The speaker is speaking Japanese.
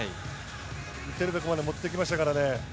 持っていけるところまで持っていきましたからね。